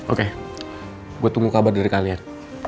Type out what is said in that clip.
oke gue tunggu kabar dari kalian